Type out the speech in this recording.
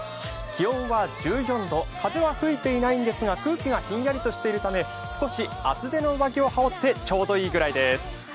気温は１４度、風は吹いていないんですが空気がひんやりとしているため少し厚手の上着を羽織ってちょうどいいくらいです。